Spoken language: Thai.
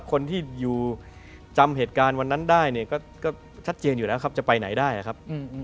คนที่อยู่จำเหตุการณ์วันนั้นได้เนี่ยก็ชัดเจนอยู่แล้วครับจะไปไหนได้ครับ